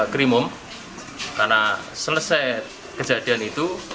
krimum karena selesai kejadian itu